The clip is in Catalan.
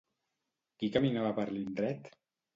Qui caminava per l'indret?